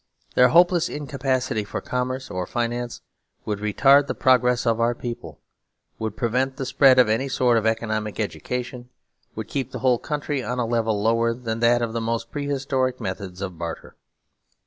Their hopeless incapacity for commerce or finance would retard the progress of our people, would prevent the spread of any sort of economic education, would keep the whole country on a level lower than that of the most prehistoric methods of barter.